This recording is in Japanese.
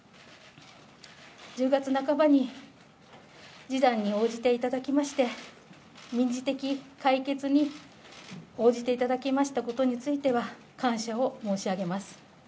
１０月半ばに示談に応じていただきまして、民事的解決に応じていただきましたことについては、感謝を申し上げます。